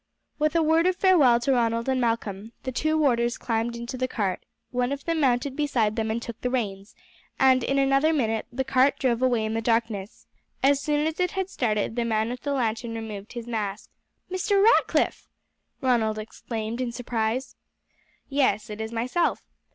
With a word of farewell to Ronald and Malcolm, the two warders climbed into the cart, one of them mounted beside them and took the reins, and in another minute the cart drove away in the darkness. As soon as it had started the man with the lantern removed his mask. "Mr. Ratcliff!" Ronald exclaimed in surprise. "Yes, it is myself.